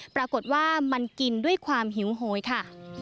ปรากฏว่ามันกินด้วยความหิวโหยค่ะ